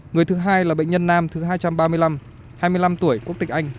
người thứ hai là bệnh nhân nam thứ hai trăm ba mươi năm hai mươi năm tuổi quốc tịch anh